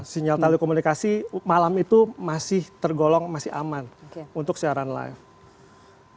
sinyal telekomunikasi malam itu masih tergolong masih aman untuk siaran live